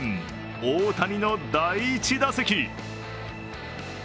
大谷の第１打席。